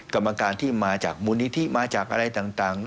กรรมการที่มาจากมูลนิธิมาจากอะไรต่าง